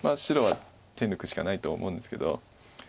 白は手抜くしかないと思うんですけど。